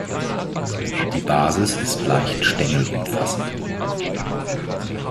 Die Basis ist leicht stängelumfassend.